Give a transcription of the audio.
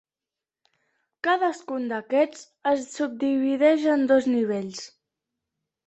Cadascun d'aquests es subdivideix en dos nivells.